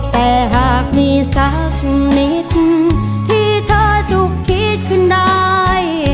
แต่หากมีสักนิดที่เธอถูกคิดขึ้นได้